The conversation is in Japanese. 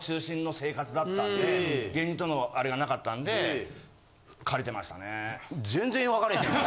生活だったんで芸人とのあれがなかったんで借りてましたね。